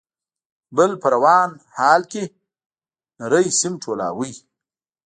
، بل په روان حال کې نری سيم ټولاوه.